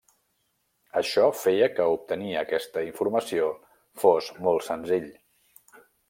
Això feia que obtenir aquesta informació fos molt senzill.